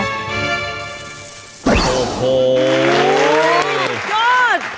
โยชน์